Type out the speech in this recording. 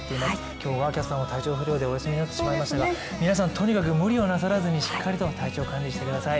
今日、小川キャスターは体調不良でお休みとなってしまいましたが皆さん、とにかく無理をなさらずにしっかりと体調管理してください。